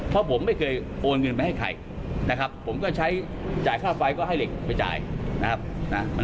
เพราะผมไม่เคยโอนเงินไปให้ใครนะครับผมก็ใช้จ่ายค่าไฟก็ให้เหล็กไปจ่ายนะครับ